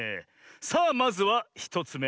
さあまずは１つめ。